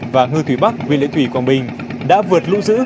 và ngư thủy bắc viên lệ thủy quảng bình đã vượt lũ giữ